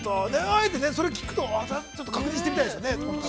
あえて、それを聞くと、確認してみたいですね。